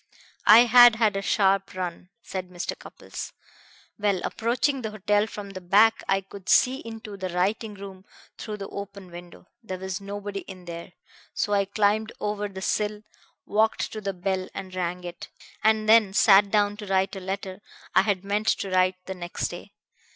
"I had had a sharp run," said Mr. Cupples. "Well, approaching the hotel from the back I could see into the writing room through the open window. There was nobody in there, so I climbed over the sill, walked to the bell and rang it, and then sat down to write a letter I had meant to write the next day.